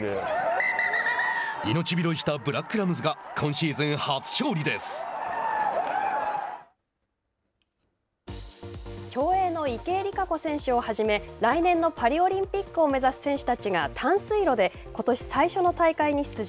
命拾いしたブラックラムズが競泳の池江璃花子選手をはじめ来年のパリオリンピックを目指す選手たちが短水路でことし最初の大会に出場。